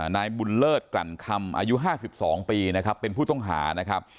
นายบุญเลิศกรรคำอายุห้าสิบสองปีนะครับเป็นผู้ต้องหานะครับ